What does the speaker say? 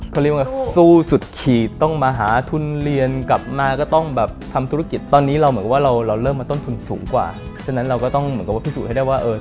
เขาเรียกว่าสู้สุดขีด